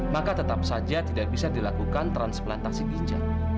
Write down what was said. maka tetap saja tidak bisa dilakukan transplantasi ginjam